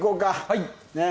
はい。